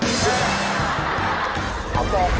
มีความรู้สึกว่า